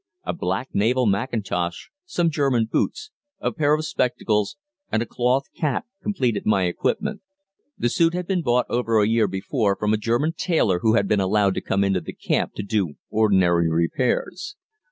A black naval mackintosh, some German boots, a pair of spectacles, and a cloth cap completed my equipment. The suit had been bought over a year before from a German tailor who had been allowed to come into the camp to do ordinary repairs.